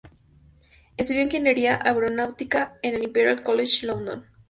Estudió ingeniería aeronáutica en el Imperial College London.